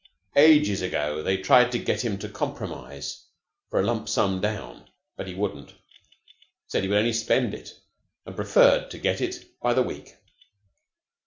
Ages ago they tried to get him to compromise for a lump sum down, but he wouldn't. Said he would only spend it, and preferred to get it by the week.